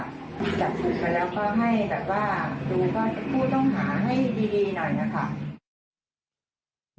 จับถือชนะแล้วก็ให้ดูต้องหาให้ดีหน่อยน่ะค่ะ